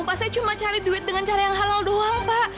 pak saya cuma cari duit dengan cara yang halal doang mbak